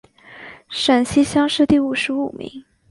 陕西乡试第五十五名。